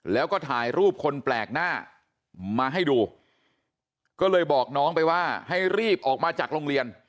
แล้วก็ถ่ายรูปคนแปลกหน้ามาให้ดูก็เลยบอกน้องไปว่าให้รีบออกมาจากโรงเรียน